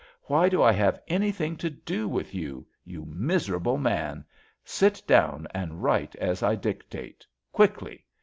Why do I have anything to do with you? You miserable manl Sit down and write as I dictate. Quickly!